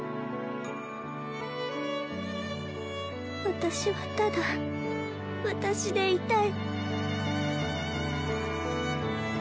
私はただ私でいたい。